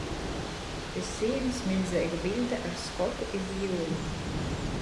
Pi sīnys miļzeiga biļde ar skotu iz jiuru.